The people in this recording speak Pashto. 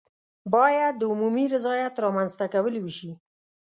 باید د عمومي رضایت رامنځته کول وشي.